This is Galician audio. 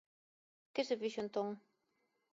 ¿Que se fixo entón?